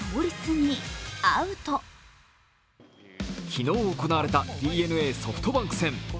昨日行われたＤｅＮＡ×ソフトバンク戦。